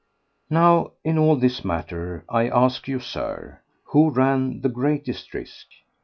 5. Now in all this matter, I ask you, Sir, who ran the greatest risk?